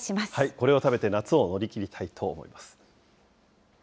これを食べて夏を乗り切りたいと思います。